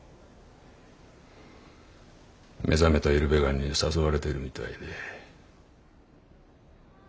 目覚めたイルベガンに誘われてるみたいで。